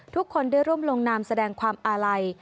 ทุกคนได้ร่วมลงนามแสดงความอาลัย